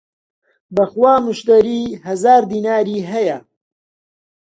بە خوا موشتەری هەزار دیناری هەیە!